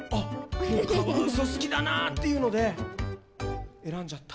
もうカワウソが好きだなっていうので選んじゃった。